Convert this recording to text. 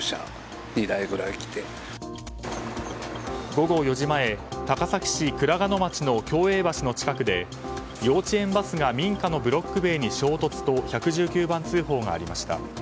午後４時前、高崎市倉賀野町の共栄橋の近くで幼稚園バスが民家のブロック塀に衝突と１１９番通報がありました。